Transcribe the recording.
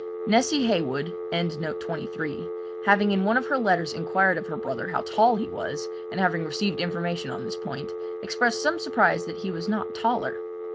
Nessy Heywood having in one of her letters inquired of her brother how tall he was, and having received information on this point, expressed some surprise that he was not taller.